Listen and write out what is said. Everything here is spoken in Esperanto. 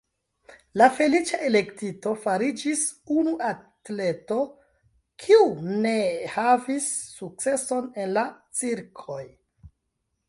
La « feliĉa elektito » fariĝis unu atleto, kiu ne havis sukceson en la cirkoj.